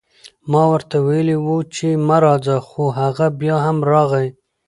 ما ورته وئيلي وو چې مه راځه، خو هغه بيا هم راغی